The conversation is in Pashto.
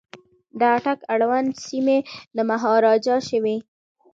د اټک اړوند سیمي د مهاراجا شوې.